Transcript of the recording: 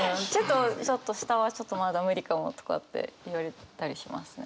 ちょっと下はちょっとまだ無理かもとかって言われたりしますね。